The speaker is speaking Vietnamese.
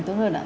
tốt hơn ạ